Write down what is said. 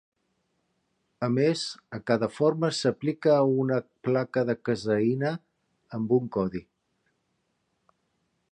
A més a cada forma s'aplica una placa de caseïna amb un codi.